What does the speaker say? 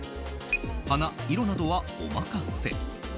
花、色などはお任せ。